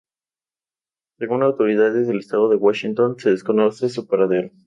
Según las autoridades del estado de Washington se desconoce su paradero.